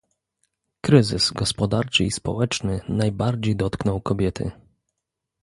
Kryzys gospodarczy i społeczny najbardziej dotknął kobiety